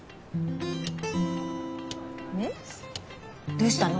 どうしたの？